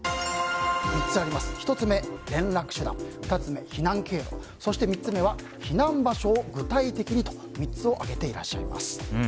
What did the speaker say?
１つ目、連絡手段２つ目、避難経路そして３つ目は避難場所を具体的にと３つを挙げていらっしゃいます。